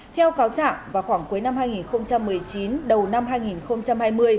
theo cáo trạng vào khoảng cuối năm hai nghìn một mươi chín đầu năm hai nghìn hai mươi